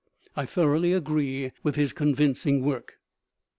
I thoroughly agree with his convincing work.